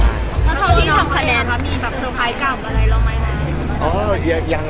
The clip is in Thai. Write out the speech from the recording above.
แล้วเท่าที่ทำคะแนน